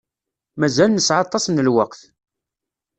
Mazal nesεa aṭas n lweqt.